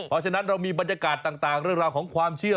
เพราะฉะนั้นเรามีบรรยากาศต่างเรื่องราวของความเชื่อ